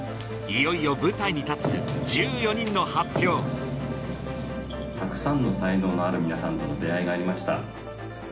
いよいよたくさんの才能のある皆さんとの出会いがありました。